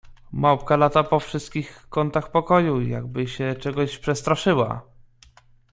— Małpka lata po wszystkich kątach pokoju, jakby się czegoś przestraszyła.